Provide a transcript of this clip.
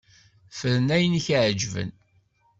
Fren ayen i k-iεeǧben.